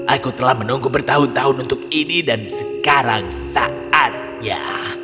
aku telah menunggu bertahun tahun untuk ini dan sekarang saatnya